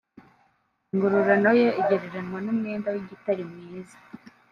Ingororano ye igereranywa n'umwenda w'igitare mwiza